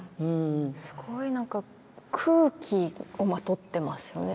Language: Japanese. すごい何か空気をまとってますよね。